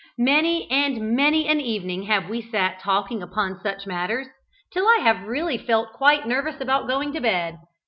Many and many an evening have we sat talking upon such matters, till I have really felt quite nervous about going to bed.